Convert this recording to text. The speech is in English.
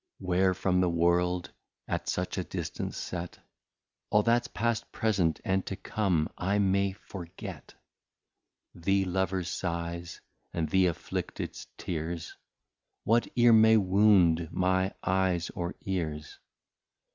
Where from the World at such a distance set, All that's past, present, and to come I may forget: The Lovers Sighs, and the Afflicteds Tears, What e're may wound my Eyes or Ears.